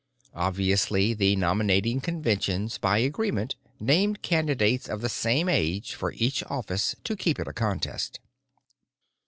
Obviously the nominating conventions by agreement named candidates of the same age for each office to keep it a contest.